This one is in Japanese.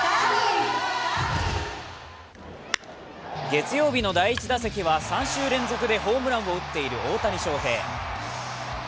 月曜日の第１打席は３週連続でホームランを打っている大谷翔平。